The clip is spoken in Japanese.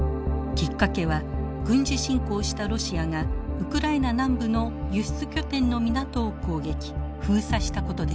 きっかけは軍事侵攻したロシアがウクライナ南部の輸出拠点の港を攻撃封鎖したことでした。